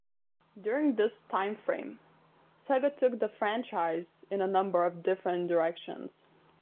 During this timeframe, Sega took the franchise in a number of different directions.